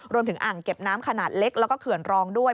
อ่างเก็บน้ำขนาดเล็กแล้วก็เขื่อนรองด้วย